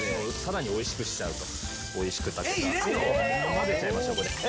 混ぜちゃいましょうこれ。